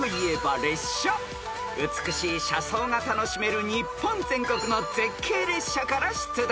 ［美しい車窓が楽しめる日本全国の絶景列車から出題］